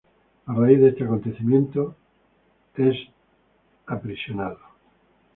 A raíz de ese acontecimiento, es aprisionado.